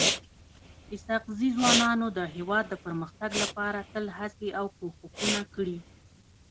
اسحق زي ځوانانو د هيواد د پرمختګ لپاره تل هڅي او کوښښونه کړي.